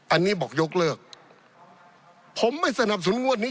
อันนี้บอกยกเลิกผมไม่สนับสนุนงวดนี้